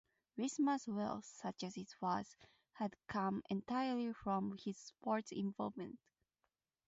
Wismer's wealth, such as it was, had come entirely from his sports involvement.